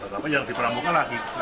tapi yang di pramuka lagi